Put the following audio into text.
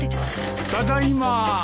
ただいま。